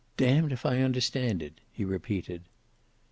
"Damned if I understand it," he repeated.